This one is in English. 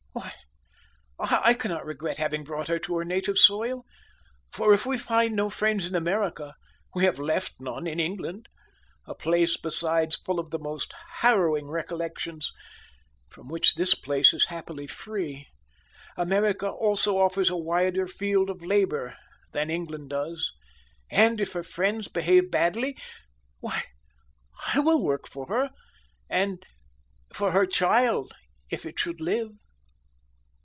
"Why, I cannot regret having brought her to her native soil for, if we find no friends in America, we have left none in England a place besides full of the most harrowing recollections, from which this place is happily free. America also offers a wider field for labor than England does, and if her friends behave badly, why I will work for her, and for her child if it should live."